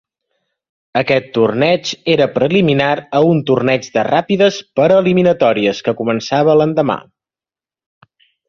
Aquest torneig era preliminar a un torneig de ràpides per eliminatòries que començava l'endemà.